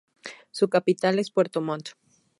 Su capital es Puerto Montt.